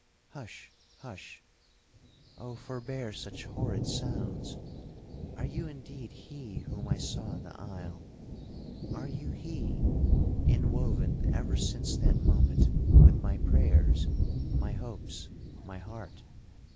'—'Hush!—hush!—Oh forbear such horrid sounds! Are you indeed he whom I saw in the isle? Are you he, inwoven ever since that moment with my prayers, my hopes, my heart?